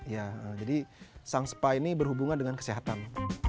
ya jadi sang spa ini berhubungan dengan kesehatan